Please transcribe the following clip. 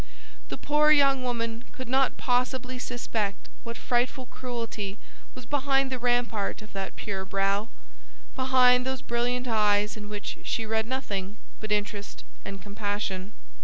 The poor young woman could not possibly suspect what frightful cruelty was behind the rampart of that pure brow, behind those brilliant eyes in which she read nothing but interest and compassion.